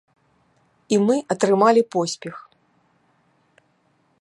І мы атрымалі поспех.